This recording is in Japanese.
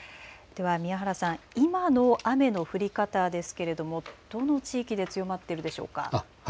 宮原さん、今の雨の降り方ですけれどもどの地域で強まっているでしょうか。